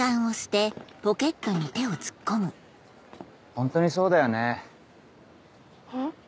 ホントにそうだよね。